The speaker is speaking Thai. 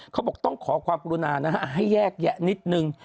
เขาบอกต้องขอความกรุณานะฮะให้แยกแยะนิดนึง